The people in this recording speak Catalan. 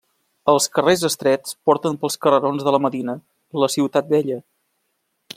Els carrers estrets porten pels carrerons de la medina, la ciutat vella.